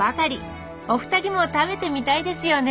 お二人も食べてみたいですよね？